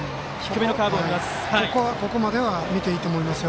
ここまでは見ていいと思います。